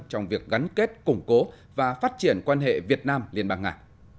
trong việc gắn kết củng cố và phát triển quan hệ việt nam liên bang nga